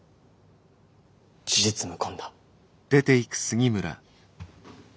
事実無根だ。